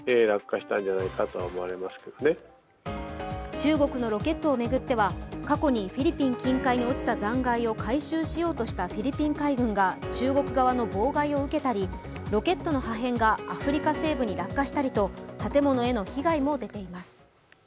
中国のロケットを巡っては過去にフィリピン近海に落ちたものを回収しようとしたフィリピン海軍が中国側の妨害を受けたり、ロケットの破片がアフリカ西部に落下したりと建物への被害も出ています。